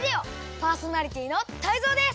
パーソナリティーのタイゾウです！